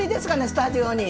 スタジオに。